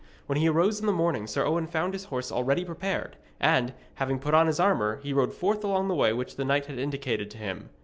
When he arose in the morning Sir Owen found his horse already prepared, and, having put on his armour, he rode forth along the way which the knight had indicated to him.